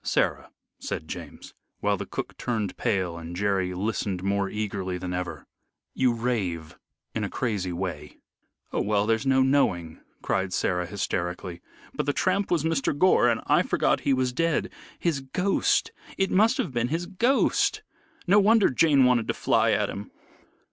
"Sarah," said James, while the cook turned pale and Jerry listened more eagerly than ever, "you rave in a crazy way." "Oh, well, there's no knowing," cried Sarah, hysterically, "but the tramp was Mr. Gore, and I forgot he was dead. His ghost it must have been his ghost. No wonder Jane wanted to fly at him."